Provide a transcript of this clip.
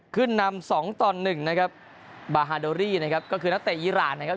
ขึ้นนำสองต่อหนึ่งนะครับบาฮาโดรี่นะครับก็คือนักเตะอีรานนะครับ